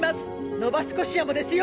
ノバスコシアもですよ。